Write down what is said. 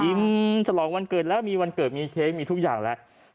ฉลองวันเกิดแล้วมีวันเกิดมีเค้กมีทุกอย่างแล้ว